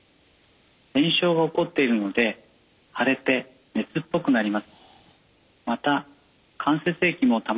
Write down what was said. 炎症が起こっているので腫れて熱っぽくなります。